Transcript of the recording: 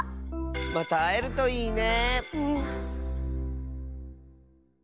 またあえるといいね。